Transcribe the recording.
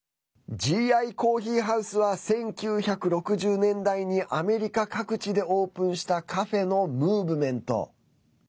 ＧＩＣｏｆｆｅｅｈｏｕｓｅは１９６０年代にアメリカ各地でオープンしたカフェのムーブメント。